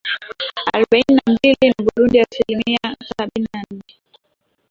arobaini na mbili na Burundi asilimia sabini na nane